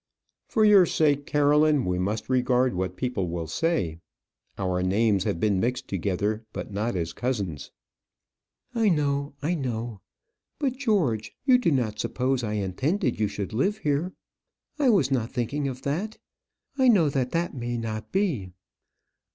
"For your sake, Caroline, we must regard what people will say. Our names have been mixed together; but not as cousins." "I know, I know. But, George, you do not suppose I intended you should live here? I was not thinking of that. I know that that may not be."